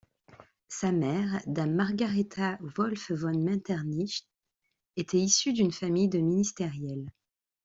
Sa mère, Dame Margaretha Wolff von Metternich, était issue d'une famille de ministériels.